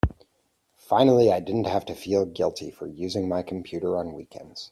Finally I didn't have to feel guilty for using my computer on weekends.